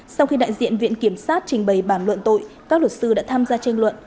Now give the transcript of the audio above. sau khi đại diện viện kiểm sát trình bày bản luận tội các luật sư đã tham gia tranh luận